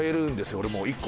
俺もう１個。